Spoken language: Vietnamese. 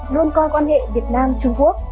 luôn coi quan hệ việt nam trung quốc